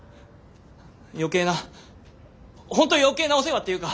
余計なほんと余計なお世話っていうか。